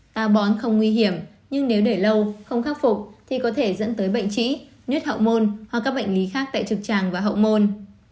ta bón không nguy hiểm nhưng nếu để lâu không khắc phục thì có thể dẫn tới bệnh trĩ huyết hậu môn hoặc các bệnh lý khác tại trực tràng và hậu môn